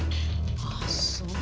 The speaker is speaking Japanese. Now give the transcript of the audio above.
ああそう。